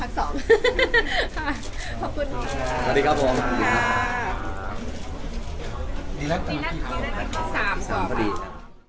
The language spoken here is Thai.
สวัสดีครับผม